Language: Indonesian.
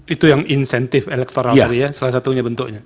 itu yang insentif elektoral salah satunya bentuknya